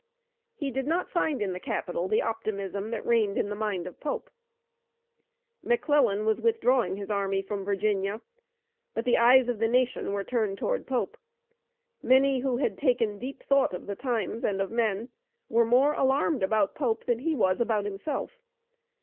He did not find in the capital the optimism that reigned in the mind of Pope. McClellan was withdrawing his army from Virginia, but the eyes of the nation were turned toward Pope. Many who had taken deep thought of the times and of men, were more alarmed about Pope than he was about himself.